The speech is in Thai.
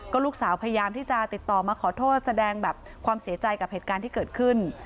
ลูกสาวพยายามที่จะติดต่อมาขอโทษแสดงแบบความเสียใจกับเหตุการณ์ที่เกิดขึ้น